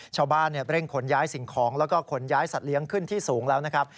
ชาวบ้านเร่งขนย้ายสิ่งของแล้วก็ขนย้ายสัตว์เลี้ยงขึ้นที่สูงแล้วนะครับ